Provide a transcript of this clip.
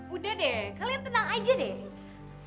udah deh kalian tenang aja deh